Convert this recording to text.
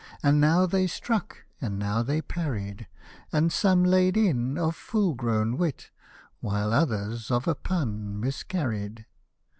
And now they struck and now they parried ; And some laid in of full grown wit. While others of a pun miscarried.